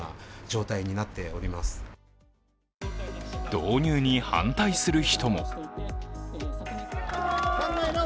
導入に反対する人も。